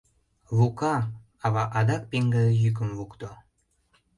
— Лука! — ава адак пеҥгыде йӱкым лукто.